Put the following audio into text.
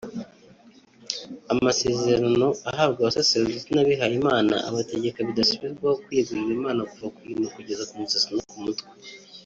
Amasezerano ahabwa abasaserodoti n’abihayimana abategeka bidasubirwaho kwiyegurira Imana kuva ku ino kugera ku musatsi wo ku mutwe